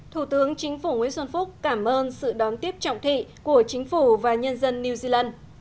thủ tướng chính phủ nguyễn xuân phúc cảm ơn sự đón tiếp trọng thị của chính phủ và nhân dân new zealand